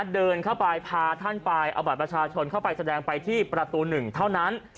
เดินเข้าไปพาท่านไปเอาบัตรประชาชนเข้าไปแสดงไปที่ประตู๑เท่านั้น